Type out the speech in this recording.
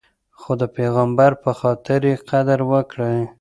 خو د پیغمبر په خاطر یې قدر وکړئ.